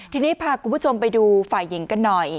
ทีนี้พาคุณผู้ชมไปดูฝ่ายหญิงกันหน่อย